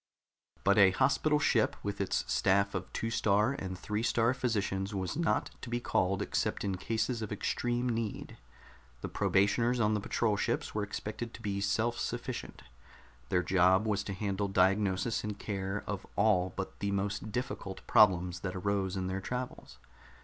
But a hospital ship, with its staff of Two star and Three star Physicians, was not to be called except in cases of extreme need. The probationers on the patrol ships were expected to be self sufficient. Their job was to handle diagnosis and care of all but the most difficult problems that arose in their travels.